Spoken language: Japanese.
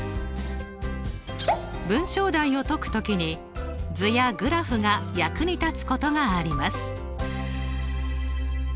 文章題を解くときに図やグラフが役に立つことがあります。